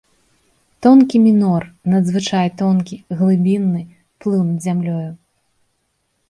Тонкі мінор, надзвычай тонкі, глыбінны, плыў над зямлёю.